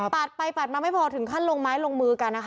ไปปาดมาไม่พอถึงขั้นลงไม้ลงมือกันนะคะ